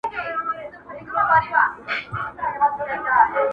په لغتو مه څیره د خره پالانه،